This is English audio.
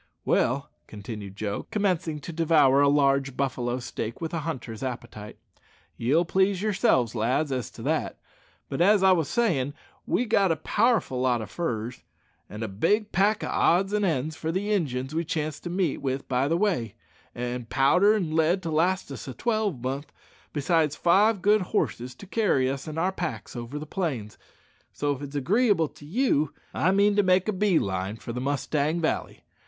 "Well," continued Joe, commencing to devour a large buffalo steak with a hunter's appetite, "ye'll please yourselves, lads, as to that; but as I wos sayin', we've got a powerful lot o' furs, an' a big pack o' odds and ends for the Injuns we chance to meet with by the way, an' powder and lead to last us a twelvemonth, besides five good horses to carry us an' our packs over the plains; so if it's agreeable to you, I mean to make a bee line for the Mustang Valley.